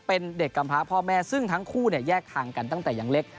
เป็นเด็กกำพาพ่อแม่ซึ่งทั้งคู่แยกทางกันตั้งแต่ยังเล็ก